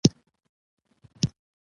چاکلېټ د یار په لاس خوند لري.